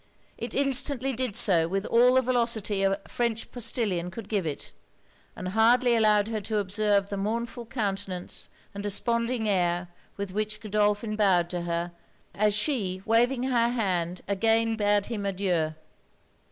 It instantly did so with all the velocity a French postillion could give it; and hardly allowed her to observe the mournful countenance and desponding air with which Godolphin bowed to her, as she, waving her hand, again bade him adieu!